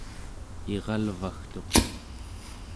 iralvagtuq